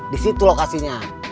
di situ lokasinya